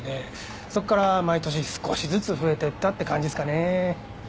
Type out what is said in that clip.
そこから毎年少しずつ増えてったって感じですかね。